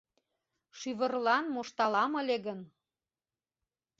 Шӱвырлан мошталам ыле гын